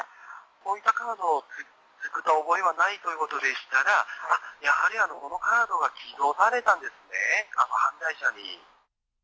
こういったカードを作った覚えはないということでしたら、やはりこのカードは偽造されたんですね、犯罪者に。